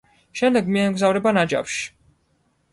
შემდეგ მიემგზავრება ნაჯაფში.